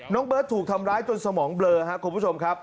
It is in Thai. เบิร์ตถูกทำร้ายจนสมองเบลอครับคุณผู้ชมครับ